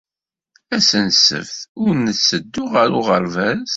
Ass n ssebt, ur netteddu ɣer uɣerbaz.